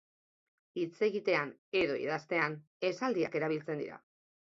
Hitz egitean edo idaztean, esaldiak erabiltzen dira.